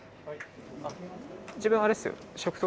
自分あれっすよ食当。